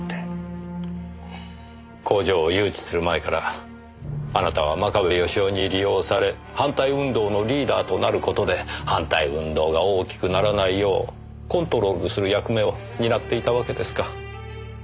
工場を誘致する前からあなたは真壁義雄に利用され反対運動のリーダーとなる事で反対運動が大きくならないようコントロールする役目を担っていたわけですか。